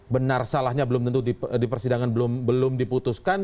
benar salahnya belum tentu di persidangan belum diputuskan